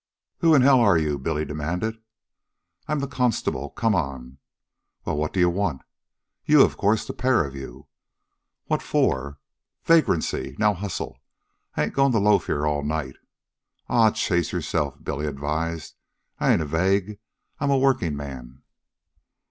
"Who in hell are you?" Billy demanded. "I'm the constable. Come on." "Well, what do you want?" "You, of course, the pair of you." "What for?" "Vagrancy. Now hustle. I ain't goin' to loaf here all night." "Aw, chase yourself," Billy advised. "I ain't a vag. I'm a workingman."